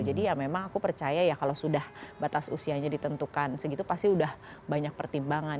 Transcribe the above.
jadi ya memang aku percaya ya kalau sudah batas usianya ditentukan segitu pasti udah banyak pertimbangan